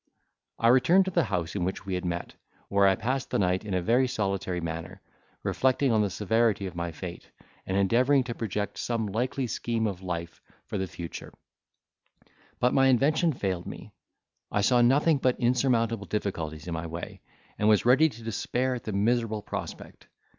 I returned to the house in which we had met, where I passed the night in a very solitary manner, reflecting on the severity of my fate, and endeavouring to project some likely scheme of life for the future; but my invention failed me; I saw nothing but insurmountable difficulties in my way, and was ready to despair at the miserable prospect!